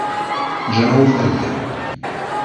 Jo no ho faria.